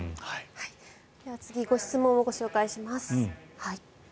では次ご質問をご紹介します。